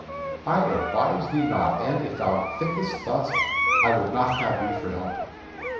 "I advise thee not, and, if thou thinkest thus, I would not have thee for helper.